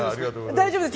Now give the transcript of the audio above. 大丈夫です。